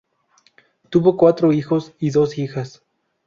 Tuvo cuatro hijos y dos hijas.